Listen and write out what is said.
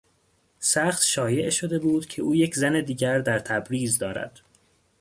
سخت شایع شده بود که او یک زن دیگر در تبریز دارد.